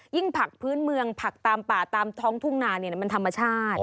ผักพื้นเมืองผักตามป่าตามท้องทุ่งนามันธรรมชาติ